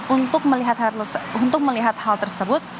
untuk melihat hal tersebut